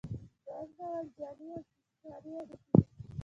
دویم ډول جعلي او استثماري اړیکې دي.